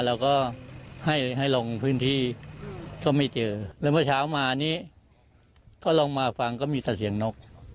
เราก็ให้ให้ลงพื้นที่ก็ไม่เจอแล้วเมื่อเช้ามานี้ก็ลองมาฟังก็มีแต่เสียงนก